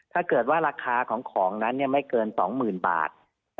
ถ้าเกิดว่าราคาของของนั้นไม่เกิน๒๐๐๐บาท